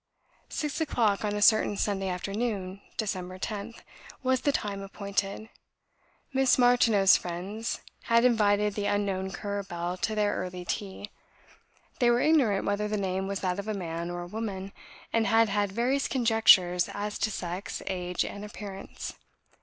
Six o'clock, on a certain Sunday afternoon (Dec. 10th), was the time appointed. Miss Martineau's friends had invited the unknown Currer Bell to their early tea; they were ignorant whether the name was that of a man or a woman; and had had various conjectures as to sex, age, and appearance.